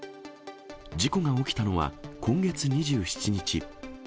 事故が起きたのは今月２７日。